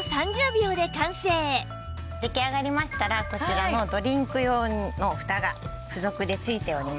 出来上がりましたらこちらのドリンク用のふたが付属で付いておりますので。